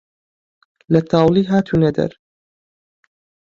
لە تاوڵی هاتوونە دەر